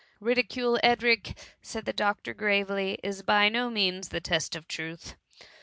''" Ridicule, Edric," said the doctor gravely, " is by no means the test of truth.